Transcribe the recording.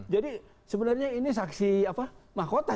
jadi sebenarnya ini saksi mahkota